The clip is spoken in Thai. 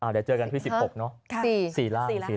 เดี๋ยวเจอกันที่๑๖เนาะ